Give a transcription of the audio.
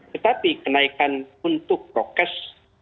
tetapi kenaikan untuk prokes